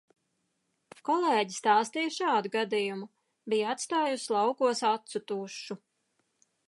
Kolēģe stāstīja šādu gadījumu: bija atstājusi laukos acu tušu.